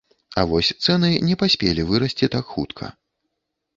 А вось цэны не паспелі вырасці так хутка.